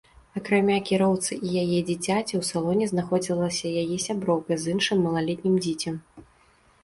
Акрамя кіроўцы і яе дзіцяці ў салоне знаходзілася яе сяброўка з іншым малалетнім дзіцем.